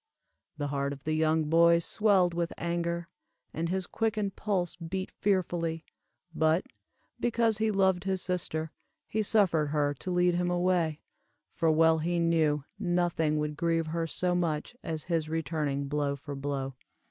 '" The heart of the young boy swelled with anger, and his quickened pulse beat fearfully; but, because he loved his sister, he suffered her to lead him away, for well he knew, nothing would grieve her so much as his returning blow for blow.